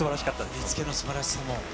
振り付けのすばらしさも。